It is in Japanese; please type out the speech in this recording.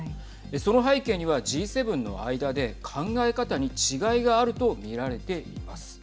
その背景にはＧ７の間で考え方に違いがあると見られています。